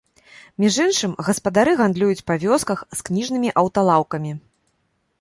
Між іншым, гаспадары гандлююць па вёсках з кніжнымі аўталаўкамі.